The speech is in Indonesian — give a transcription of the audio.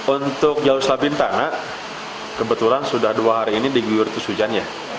untuk jalur selabin tanah kebetulan sudah dua hari ini diguyur terus hujannya